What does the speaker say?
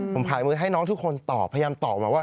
ผมผ่ายมือให้น้องทุกคนตอบพยายามตอบมาว่า